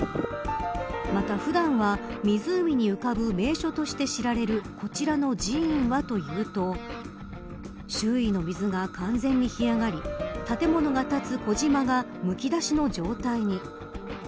また普段は湖に浮かぶ名所として知られるこちらの寺院はというと周囲の水が完全に干上がり、建物が建つ小島がむき出しの状態に。